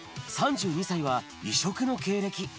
３２歳は異色の経歴。